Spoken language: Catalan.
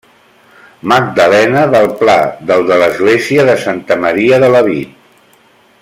Magdalena del Pla del de l'església de Santa Maria de Lavit.